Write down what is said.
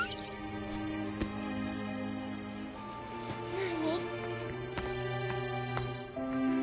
何？